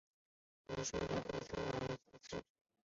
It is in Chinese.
卢师谛也参与谋划此事。